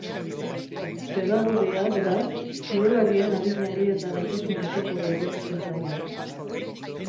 Pedagogia, beraz, kirolarien adinari eta gaitasun fisikoei egokitzen zaie.